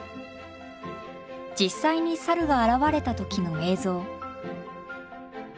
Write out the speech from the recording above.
実際にサルが現れた時の映像。